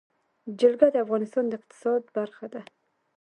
جلګه د افغانستان د اقتصاد برخه ده.